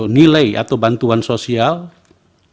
nilai atau bantuan sosial ini adalah